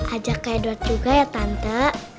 ajak kayak dok juga ya tante